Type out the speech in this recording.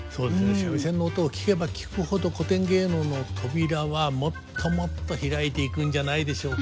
三味線の音を聴けば聴くほど古典芸能の扉はもっともっと開いていくんじゃないでしょうか。